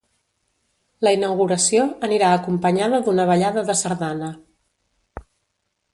La inauguració anirà acompanyada d’una ballada de sardana.